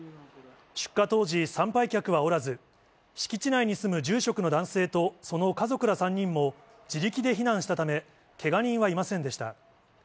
出火当時、参拝客はおらず、敷地内に住む住職の男性とその家族ら３人も、自力で避難したため、けが人はいませんでした。